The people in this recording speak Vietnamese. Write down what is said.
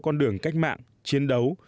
con đường cách mạng chiến đấu